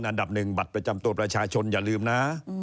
อันดับหนึ่งบัตรประจำตัวประชาชนอย่าลืมนะ